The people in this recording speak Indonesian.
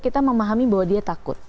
kita memahami bahwa dia takut